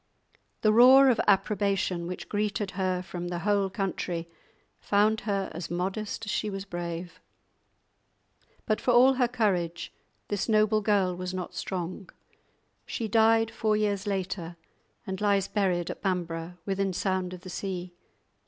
The roar of approbation which greeted her from the whole country found her as modest as she was brave. But for all her courage, this noble girl was not strong. She died four years later, and lies buried at Bamburgh, within sound of the sea.